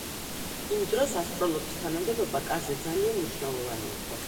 იმ დროს ასტროლოგის თანამდებობა კარზე ძალიან მნიშვნელოვანი იყო.